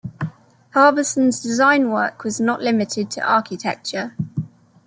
Harbeson's design work was not limited to architecture.